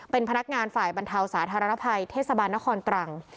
เป็นพนักงานฝ่ายบรรเทาสาธารณภัยเทศบาลนครตรัง